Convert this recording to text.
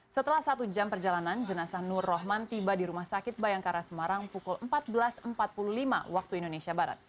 setelah satu jam perjalanan jenazah nur rohman tiba di rumah sakit bayangkara semarang pukul empat belas empat puluh lima waktu indonesia barat